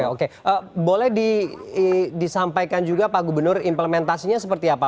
oke boleh disampaikan juga pak gubernur implementasinya seperti apa